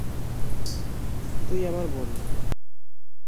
তুই আমার বোন না।